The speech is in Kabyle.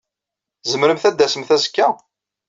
Tzemremt ad d-tasemt azekka?